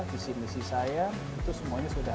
visi misi saya itu semuanya sudah